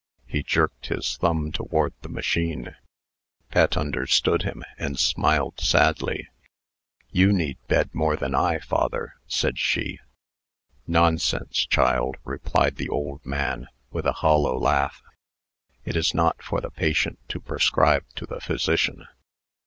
He jerked his thumb toward the machine. Pet understood him, and smiled sadly. "You need bed more than I, father," said she. "Nonsense, child!" replied the old man, with a hollow laugh. "It is not for the patient to prescribe to the physician.